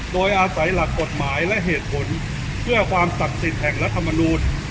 โดยอาศัยหลักกฎหมายเป็นเหตุผลเพื่อความสำคสินแห่งรัฐมนุษย์